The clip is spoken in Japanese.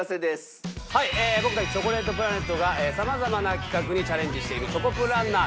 僕たちチョコレートプラネットがさまざまな企画にチャレンジしていく『チョコプランナー』。